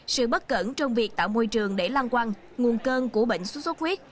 sự bất cẩn trong việc tạo môi trường để lăng quang nguồn cơn của bệnh sốt xuất huyết